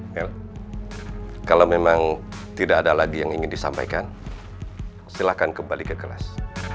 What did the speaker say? kalau memang tidak ada lagi yang ingin disampaikan silakan kembali ke kelas